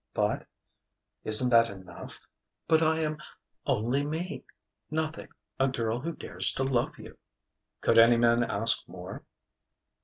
"But...." "Isn't that enough?" "But I am only me: nothing: a girl who dares to love you." "Could any man ask more?"